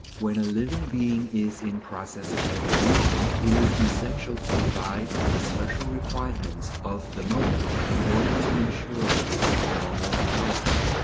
When a living being is in process of evolution, it is essential to provide for the special requirements of the moment, in order to ensure its normal development.